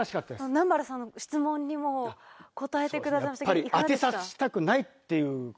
南原さんの質問にも答えてくださいましたけどいかがでした？